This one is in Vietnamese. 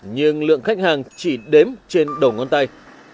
nhưng lượng khách hàng chỉ đếm trên đồng ngón tàu